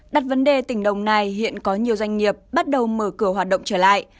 đặt vấn đề tỉnh đồng nai hiện có nhiều doanh nghiệp bắt đầu mở cửa hoạt động trở lại